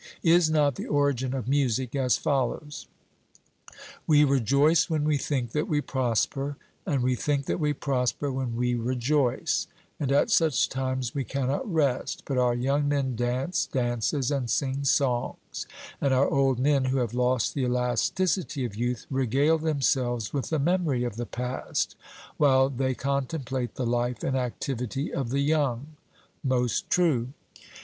Is not the origin of music as follows? We rejoice when we think that we prosper, and we think that we prosper when we rejoice, and at such times we cannot rest, but our young men dance dances and sing songs, and our old men, who have lost the elasticity of youth, regale themselves with the memory of the past, while they contemplate the life and activity of the young. 'Most true.'